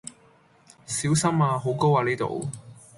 小心呀！好高呀呢度